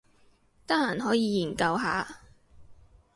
得閒可以研究下